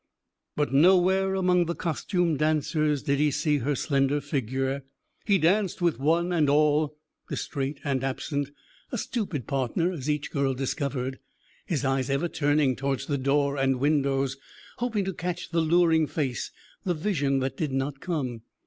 But nowhere among the costumed dancers did he see her slender figure. He danced with one and all, distrait and absent, a stupid partner as each girl discovered, his eyes ever turning towards the door and windows, hoping to catch the luring face, the vision that did not come